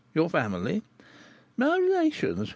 your family?" "My relations?